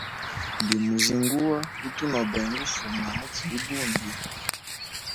Ndimuzinguwa utu no benga ufuma mu kii ibundi.